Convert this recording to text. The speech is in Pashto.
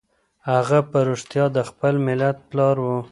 هغه په رښتیا د خپل ملت پلار و.